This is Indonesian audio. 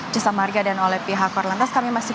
cisamarga dan oleh pihak kuala lantas kami masih